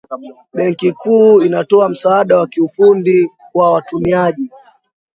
benki kuu inatoa msaada wa kiufundi kwa watumiaji